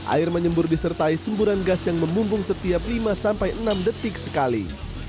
air menyembur disertai semburan gas yang memumbung setiap lima sampai enam detik sekali